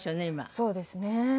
そうですね。